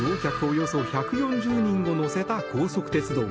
およそ１４０人を乗せた高速鉄道。